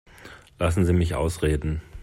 Lassen Sie mich ausreden.